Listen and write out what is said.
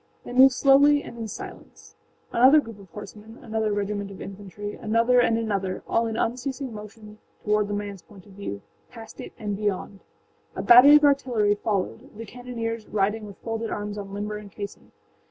They moved slowly and in silence. Another group of horsemen, another regiment of infantry, another and anotherâall in unceasing motion toward the manâs point of view, past it, and beyond. A battery of artillery followed, the cannoneers riding with folded arms on limber and caisson.